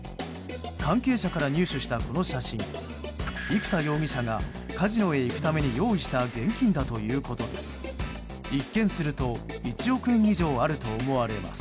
関係者から入手したこの写真生田容疑者がカジノへ行くために用意した現金だということです。